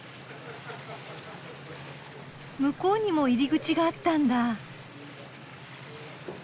向こうにも入り口があったんだ。